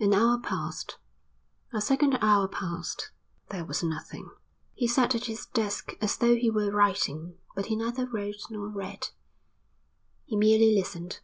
An hour passed, a second hour passed. There was nothing. He sat at his desk as though he were writing, but he neither wrote nor read. He merely listened.